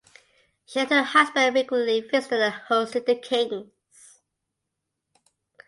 She and her husband frequently visited and hosted the Kings.